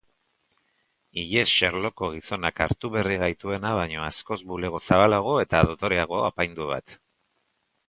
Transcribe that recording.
Ile-xerloko gizonak hartu berri gaituena baino askoz bulego zabalago eta dotoreago apaindu bat.